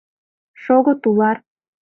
Шого, тулар!